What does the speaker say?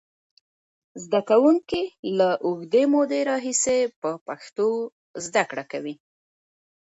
زده کوونکي له اوږدې مودې راهیسې په پښتو زده کړه کوي.